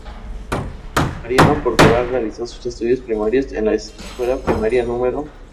Mariano Portugal realizó sus estudios primarios en la Escuela Primaria No.